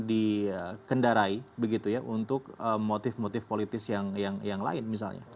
dikendarai begitu ya untuk motif motif politis yang lain misalnya